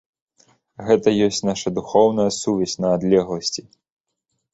Гэта ёсць наша духоўная сувязь на адлегласці.